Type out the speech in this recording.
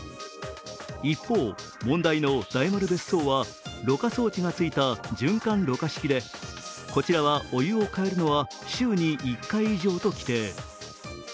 一方、問題の大丸別荘はろ過装置がついた循環ろ過式でこちらはお湯を替えるのは週に１回以上と規定。